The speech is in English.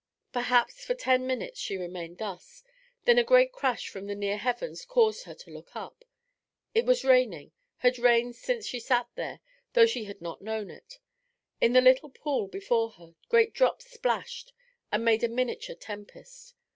Perhaps for ten minutes she remained thus, then a great crash from the near heavens caused her to look up. It was raining, had rained since she sat there, though she had not known it. In the little pool before her great drops splashed and made a miniature tempest.